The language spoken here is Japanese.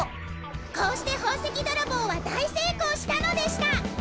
こうして宝石泥棒は大成功したのでした！